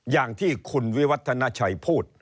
อย่างที่คุณวิวัฒนาชัยพูด